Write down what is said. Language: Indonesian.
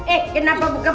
eh kenapa buka